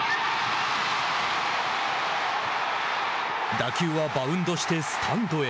打球はバウンドしてスタンドへ。